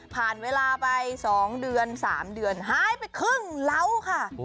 ผ่านเวลาไปสองเดือนสามเดือนหายไปครึ่งเล้าค่ะ